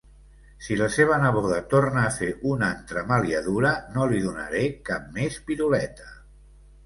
Si la seva neboda torna a fer una entremaliadura no li donaré cap més piruleta.